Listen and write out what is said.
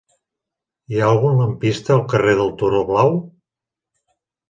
Hi ha algun lampista al carrer del Turó Blau?